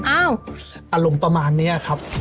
อารมณ์ประมาณนี้ครับ